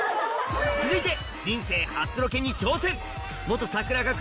続いて人生初ロケに挑戦！